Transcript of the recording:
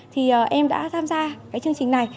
thì em đã tham gia cái chương trình này